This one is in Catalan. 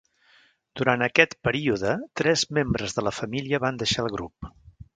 Durant aquest període, tres membres de la família van deixar el grup.